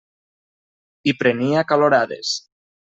I prenia calorades.